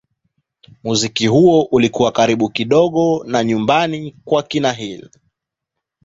Muziki huo ulikuwa karibu kidogo na nyumbani kwa kina Hill.